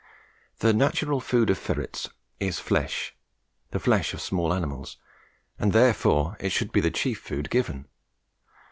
The natural food of ferrets is flesh the flesh of small animals and therefore it should be the chief food given.